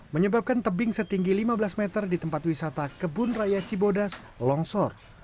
menyebabkan tebing setinggi lima belas meter di tempat wisata kebun raya cibodas longsor